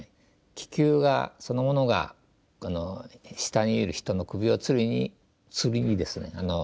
気球がそのものが下にいる人の首を吊りに吊りにですね